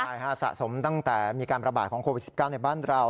ใช่ค่ะสะสมตั้งแต่มีการประบาดของโควิด๑๙ในบ้านเรา